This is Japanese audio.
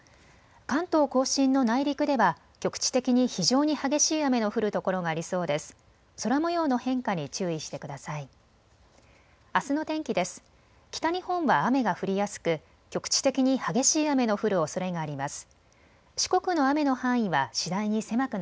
関東甲信の内陸では局地的に非常に激しい雨の降る所がありそうです。